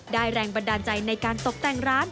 แรงบันดาลใจในการตกแต่งร้าน